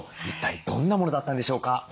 一体どんなものだったんでしょうか？